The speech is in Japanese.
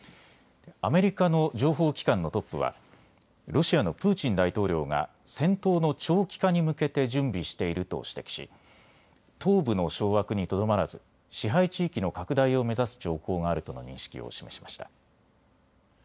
アメリカの情報機関のトップはロシアのプーチン大統領が戦闘の長期化に向けて準備していると指摘し東部の掌握にとどまらず支配地域の拡大を目指す兆候があるとの認識を示しました。